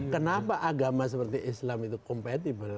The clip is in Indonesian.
kenapa agama seperti islam itu compatible